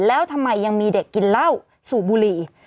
แล้วทำไมยังมีเด็กกินเหล้าสูบบุหรี่